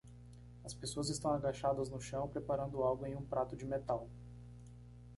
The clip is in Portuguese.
As pessoas estão agachadas no chão preparando algo em um prato de metal.